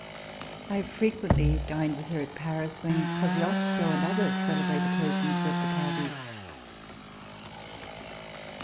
I have frequently dined with her at Paris, when Kosciusko and other celebrated persons were of the party.